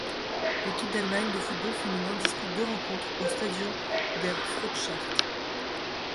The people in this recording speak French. L'équipe d'Allemagne de football féminin dispute deux rencontres au Stadion der Freundschaft.